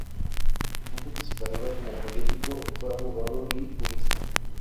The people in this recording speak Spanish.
Antes de su carrera como político, fue abogado y jurista.